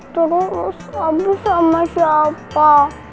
terus ibu sama siapa